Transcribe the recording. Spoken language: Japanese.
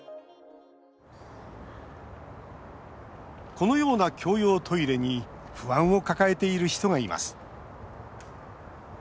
このような共用トイレに不安を抱えている人がいます。